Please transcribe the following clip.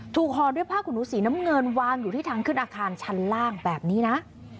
ห่อด้วยผ้าขนหนูสีน้ำเงินวางอยู่ที่ทางขึ้นอาคารชั้นล่างแบบนี้นะ